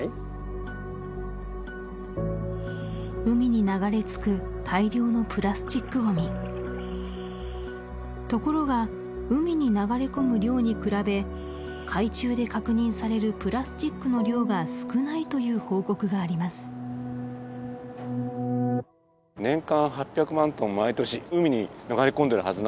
海に流れ着く大量のプラスチックごみところが海に流れ込む量に比べ海中で確認されるプラスチックの量が少ないという報告がありますんですね